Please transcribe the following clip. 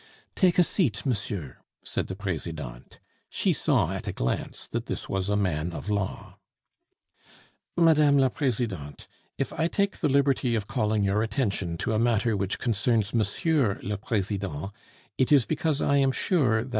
"Take a seat, monsieur," said the Presidente. She saw at a glance that this was a man of law. "Mme. la Presidente, if I take the liberty of calling your attention to a matter which concerns M. le President, it is because I am sure that M.